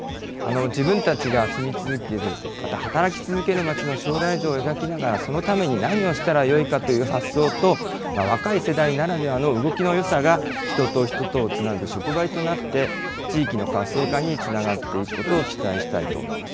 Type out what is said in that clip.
自分たちが住み続ける、また働き続けるまちの将来像を描きながら、そのために何をしたらよいかという発想と、若い世代ならではの動きのよさが人と人とをつなぐ触媒となって、地域の活性化につながっていくことを期待したいと思います。